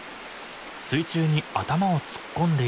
水中に頭を突っ込んでいるのは。